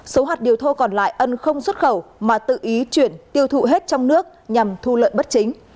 số hạt điều thô còn lại ân không xuất khẩu mà tự ý chuyển tiêu thụ hết trong nước nhằm thu lợi bất chính